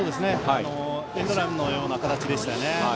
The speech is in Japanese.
エンドランのような形でしたね。